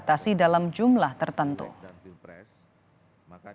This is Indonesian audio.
dan penonjol penonjol politik tersebut